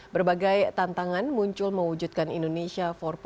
berbagai tantangan muncul mewujudkan indonesia empat